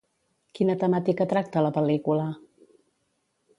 Quina temàtica tracta la pel·lícula?